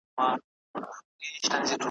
خدایه تیارې مي د سلګیو له اسمانه نه ځي `